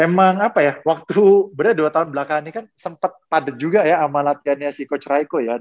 emang apa ya waktu berarti dua tahun belakang ini kan sempet padet juga ya sama latihannya si coach raiko ya